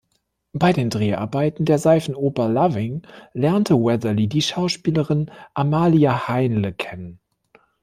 Bei den Dreharbeiten der Seifenoper "Loving" lernte Weatherly die Schauspielerin Amelia Heinle kennen.